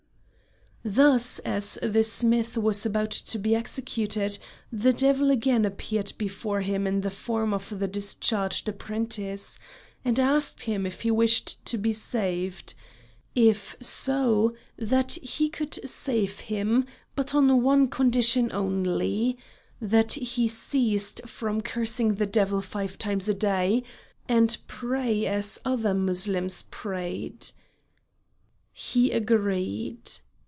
Just as the smith was about to be executed, the devil again appeared before him in the form of the discharged apprentice, and asked him if he wished to be saved; if so, that he could save him, but on one condition only, that he ceased from cursing the devil five times a day and pray as other Mussulmans prayed. He agreed.